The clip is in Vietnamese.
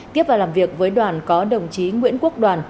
tiếp vào làm việc với đoàn có đồng chí nguyễn quốc đoàn